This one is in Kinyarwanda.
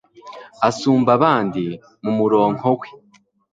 Asumba abandi mu muronko we